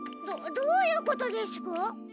どどういうことですか？